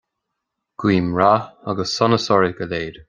Gúim rath agus sonas oraibh go léir.